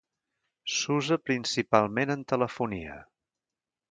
S'usa principalment en telefonia.